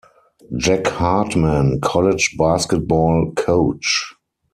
Jack Hartman, College basketball coach.